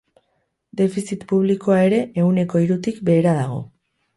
Defizit publikoa ere ehuneko hirutik behera dago.